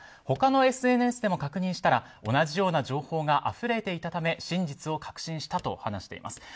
他のＳＮＳでも確認したら同じような情報があふれていたため真実を確信したと話しています。